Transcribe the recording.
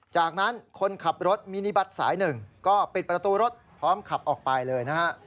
จากนั้นคนขับรถมินิบัตรสายหนึ่งก็ปิดประตูรถพร้อมขับออกไปเลยนะฮะ